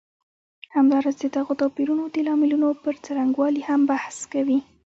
همداراز د دغو توپیرونو د لاملونو پر څرنګوالي هم بحث کوي.